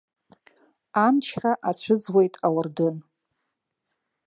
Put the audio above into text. Амчра ацәыӡуеит ауардын.